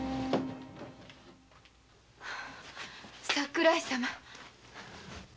桜井様！